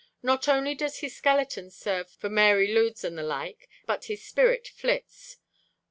Not only does his skeleton serve for Mary Lwyds and the like, but his spirit flits.